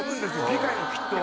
議会もきっと。